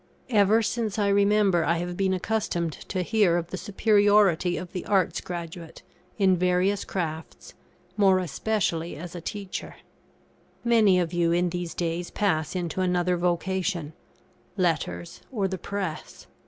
Ever since I remember, I have been accustomed to hear of the superiority of the Arts' graduate, in various crafts, more especially as a teacher. Many of you in these days pass into another vocation Letters, or the Press.